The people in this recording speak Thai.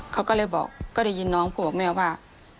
เขาก็เลยบอกก็ได้ยินน้องพูดกับแม่ว่า